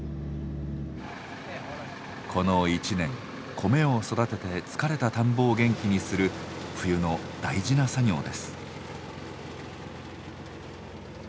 この１年米を育てて疲れた田んぼを元気にする冬の大事な作業です。